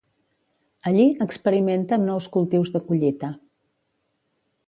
Allí experimenta amb nous cultius de collita.